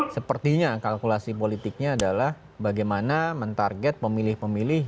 sepertinya kalkulasi politiknya adalah bagaimana mentarget pemilih pemilih